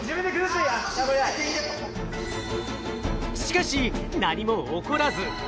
しかし何も起こらず。